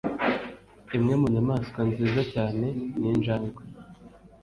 Imwe mu nyamaswa nziza cyane ni injangwe.